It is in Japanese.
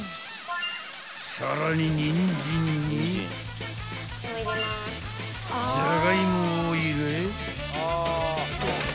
［さらにニンジンにジャガイモを入れ］